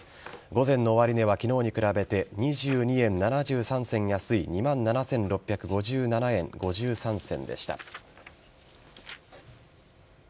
午前の終値は昨日に比べて２２円７３銭安い２万７６５７円５３銭でした。